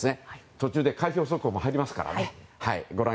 途中で開票速報も入りますからね。